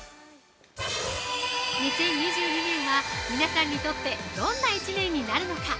２０２２年は皆さんにとってどんな一年になるのか？